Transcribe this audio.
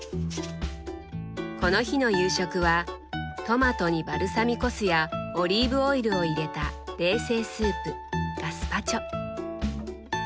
この日の夕食はトマトにバルサミコ酢やオリーブオイルを入れた冷製スープガスパチョ。